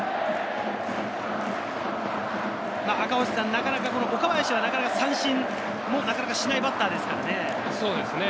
なかなか岡林は三振をしないバッターですからね。